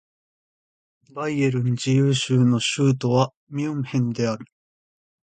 バイエルン自由州の州都はミュンヘンである